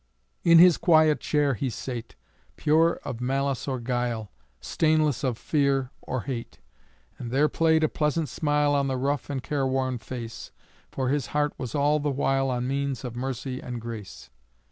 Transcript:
In his quiet chair he sate, Pure of malice or guile, Stainless of fear or hate; And there played a pleasant smile On the rough and careworn face, For his heart was all the while On means of mercy and grace.